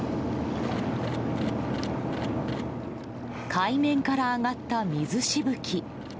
海面から上がった水しぶき。